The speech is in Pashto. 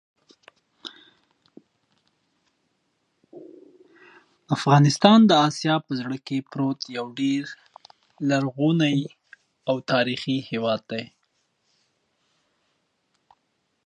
افغانستان د اسیا په زړه کې پروت یو ډېر لرغونی او تاریخي هېواد دی.